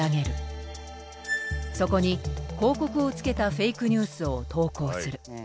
そこに広告をつけたフェイクニュースを投稿する。